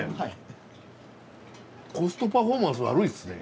コストパフォーマンス悪いっすね。